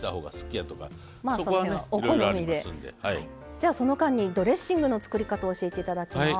じゃあその間にドレッシングの作り方を教えていただきます。